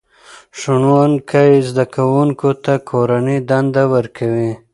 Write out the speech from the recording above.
ښوونکی زده کوونکو ته کورنۍ دنده ورکوي